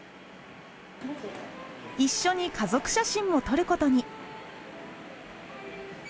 一緒に家族写真も撮ることに。